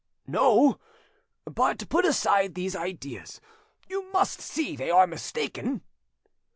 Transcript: "No. But put aside these ideas; you must see they are mistaken."